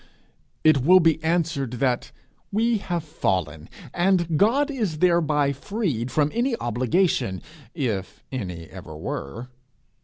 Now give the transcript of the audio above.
It will be answered that we have fallen, and God is thereby freed from any obligation, if any ever were.